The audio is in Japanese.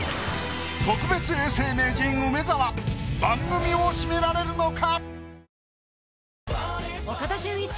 特別永世名人梅沢番組を締められるのか？